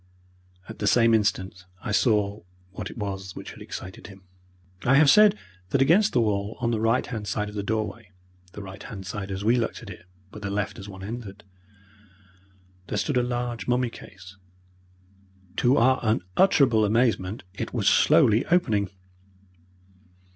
At the same instant I saw what it was which had excited him. I have said that against the wall on the right hand side of the doorway (the right hand side as we looked at it, but the left as one entered) there stood a large mummy case. To our unutterable amazement it was slowly opening.